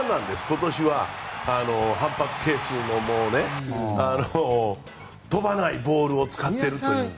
今年は反発係数も、飛ばないボールを使っているという。